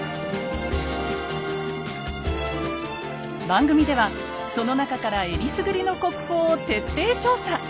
番組ではその中からえりすぐりの国宝を徹底調査！